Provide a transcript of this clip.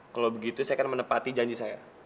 kalau begitu saya akan menepati janji saya